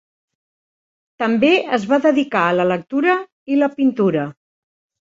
També es va dedicar a la lectura i la pintura.